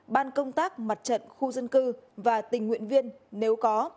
ban công tác mặt trận khu dân cư và tình nguyện viên nếu có